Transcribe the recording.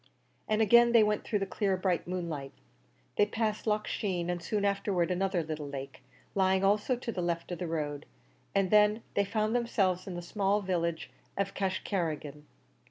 And again they went through the clear bright moonlight. They passed Loch Sheen, and soon afterwards another little lake, lying also to the left of the road, and then they found themselves in the small village of Cashcarrigan.